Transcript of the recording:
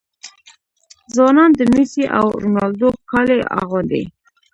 ځوانان د میسي او رونالډو کالي اغوندي.